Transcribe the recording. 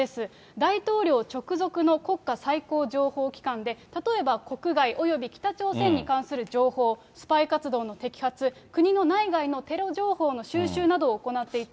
大統領直属の国家最高情報機関で、例えば国外および北朝鮮に関する情報、スパイ活動の摘発、国の内外のテロ情報の収集などを行っていて。